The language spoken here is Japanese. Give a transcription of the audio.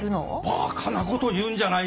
ばかなこと言うんじゃないよ。